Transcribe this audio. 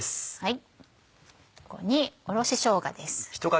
ここにおろししょうがです。